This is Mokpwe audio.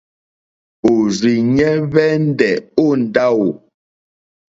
Òrzìɲɛ́ hwɛ́ndɛ̀ ó ndáwò.